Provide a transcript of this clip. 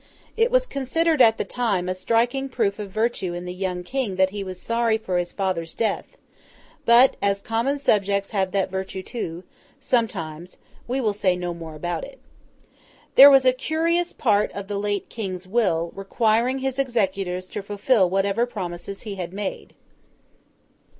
It was considered at the time a striking proof of virtue in the young King that he was sorry for his father's death; but, as common subjects have that virtue too, sometimes, we will say no more about it. There was a curious part of the late King's will, requiring his executors to fulfil whatever promises he had made.